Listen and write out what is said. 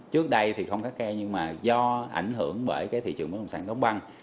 trước đây thì không khắc khe nhưng mà do ảnh hưởng bởi cái thị trường bất đồng sản đóng băng